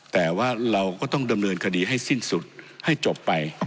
แต่ว่าเราก็ต้องดำเนินคดีให้สิ้นสุดให้จบไป